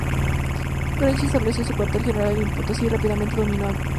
Goyeneche estableció su cuartel general en Potosí y rápidamente domino Tarija.